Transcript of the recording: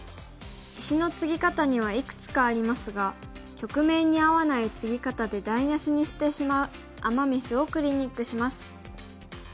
石のツギ方にはいくつかありますが局面に合わないツギ方で台なしにしてしまうアマ・ミスをクリニックします。